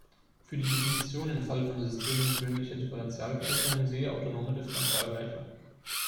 Für die Definition im Fall von Systemen gewöhnlicher Differentialgleichungen siehe Autonome Differentialgleichung.